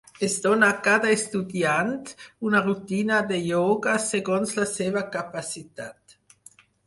Es dona a cada estudiant una rutina de ioga segons la seva capacitat.